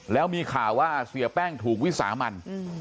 แล้วมีข่าวว่าเสียแป้งถูกวิสามัน